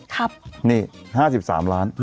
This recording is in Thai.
ครับนี่๕๓ล้าน